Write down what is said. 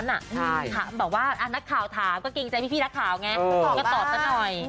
แบบว่านักข่าวถามก็เกรงใจพี่นักข่าวไงก็ตอบซะหน่อย